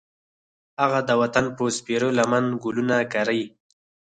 هغه د وطن په سپېره لمن ګلونه کري